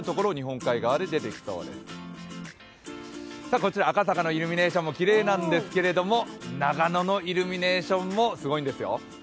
こちら赤坂のイルミネーションもきれいなんですけど長野のイルミネーションもすごいんですよ。